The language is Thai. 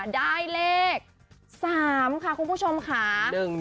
ได้เลข๓ค่ะคุณผู้ชมค่ะ